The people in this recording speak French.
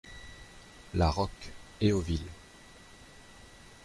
La Roque, Héauville